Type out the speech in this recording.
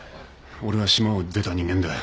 俺は島を出た人間だよ。